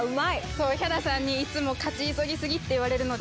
そうヒャダさんにいつも勝ち急ぎすぎって言われるので。